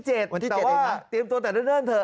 แต่ว่าเตรียมตัวแต่เริ่มเลิกเถอะ